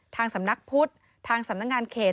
ทางสำนักพุทธทางสำนักงานเขต